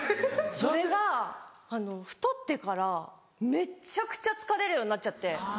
それが太ってからめっちゃくちゃ疲れるようになっちゃって。